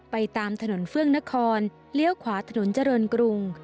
ไปตามถนนเฟื่องนครเลี้ยวขวาถนนเจริญกรุง